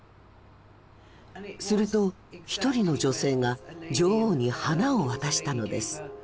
すると一人の女性が女王に花を渡したのです。